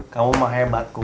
kamu mah hebat kum